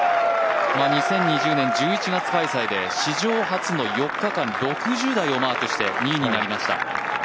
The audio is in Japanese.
２０２０年１１月開催で史上初の４日間６０台をマークして２位になりました。